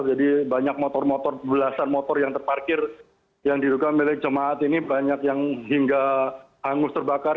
jadi banyak motor motor belasan motor yang terparkir yang diduga milik jemaat ini banyak yang hingga hangus terbakar